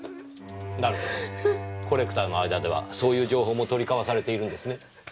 なるほどコレクターの間ではそういう情報も取り交わされているんですね。